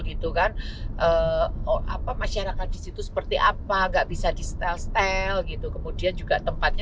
gitu kan oh apa masyarakat disitu seperti apa enggak bisa di setel setel gitu kemudian juga tempatnya